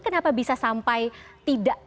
kenapa bisa sampai tidak